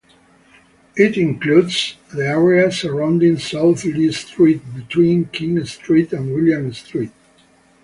It includes the area surrounding South Lee Street between King Street and William Street.